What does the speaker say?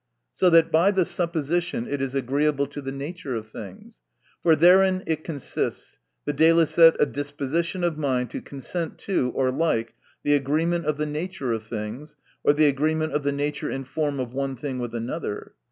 So that by the supposition it is agreeable to the nature of things. For therein it consist' , viz., a disposition of mind to consent to, or like, the agreement of the nature of things, or the agreement of the nature and form of one thing with another.